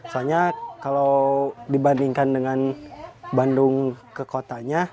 soalnya kalau dibandingkan dengan bandung kekotanya